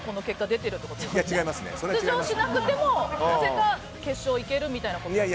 出場しなくてもなぜか決勝行けるみたいな。